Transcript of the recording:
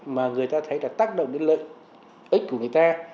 mà người ta thấy đã tác động đến lợi ích của người ta